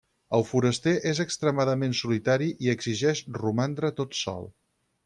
El foraster és extremadament solitari i exigeix romandre tot sol.